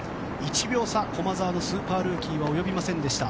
１秒差、駒澤のスーパールーキー及びませんでした。